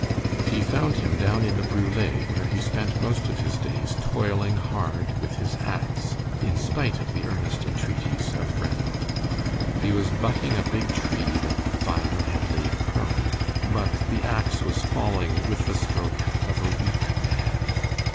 He found him down in the brule, where he spent most of his days toiling hard with his ax, in spite of the earnest entreaties of Ranald. He was butting a big tree that the fire had laid prone, but the ax was falling with the stroke of a weak man.